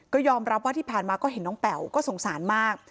ก็ยอมรับว่าที่ผ่านมาก็เห็นน้องแป๋วก็สงสารมาก